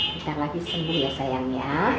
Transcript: nanti lagi sembuh ya sayang ya